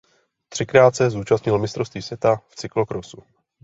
Třikrát se zúčastnil mistrovství světa v cyklokrosu.